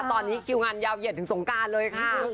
ตอนนี้คิวงานยาวเหยียดถึงสงการเลยค่ะ